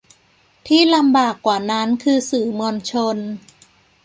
ที่ลำบากกว่านั้นคือสื่อมวลชน